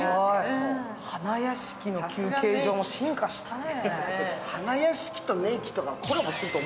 花やしきの休憩所も進化したね。